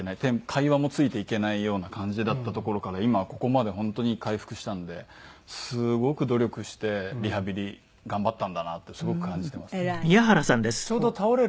会話もついていけないような感じだったところから今はここまで本当に回復したのですごく努力してリハビリ頑張ったんだなとすごく感じてます。